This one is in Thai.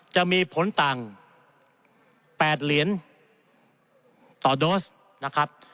จะมีผลต่าง๘เหรียญต่อโดสนะครับ